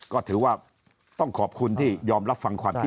ก็ถือว่าต้องขอบคุณที่ยอมรับฟังความจริง